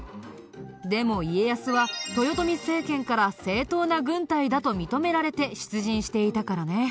でも家康は豊臣政権から正統な軍隊だと認められて出陣していたからね。